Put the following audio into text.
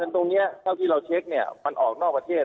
ตรงนี้เท่าที่เราเช็คมันออกนอกประเทศ